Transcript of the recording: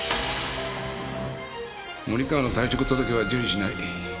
森川の退職届は受理しない。